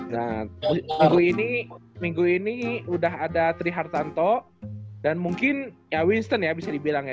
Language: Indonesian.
dan minggu ini minggu ini udah ada teri hartanto dan mungkin ya winston ya bisa dibilang ya